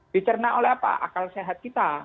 dicerna oleh apa akal sehat kita